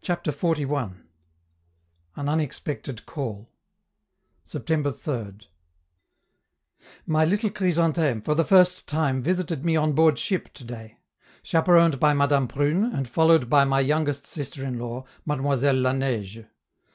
CHAPTER XLI. AN UNEXPECTED CALL September 3d. My little Chrysantheme for the first time visited me on board ship to day, chaperoned by Madame Prune, and followed by my youngest sister in law, Mademoiselle La Neige.